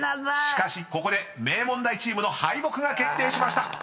［しかしここで名門大チームの敗北が決定しました］